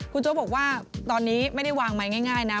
คุณโจ๊กบอกว่าตอนนี้ไม่ได้วางไมค์ง่ายนะ